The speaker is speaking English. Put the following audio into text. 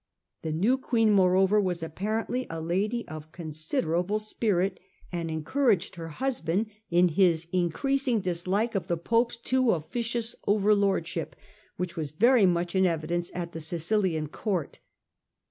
The new Queen, moreover, was apparently a lady of considerable spirit and encouraged her husband in his increasing dislike of the Pope's too officious overlordship, which was very much in evidence at the Sicilian Court.